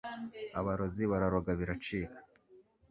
abarozi bararoga biracika